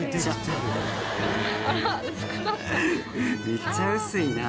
めっちゃ薄いな。